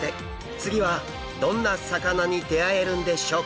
次はどんな魚に出会えるんでしょうか？